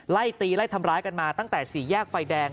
ไล่ตีไล่ทำร้ายกันมาตั้งแต่สี่แยกไฟแดง